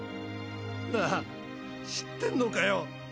なァ知ってんのかよ！？